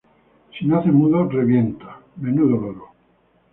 Si nace mudo, revienta. Menudo loro